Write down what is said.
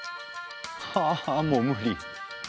ははあもう無理！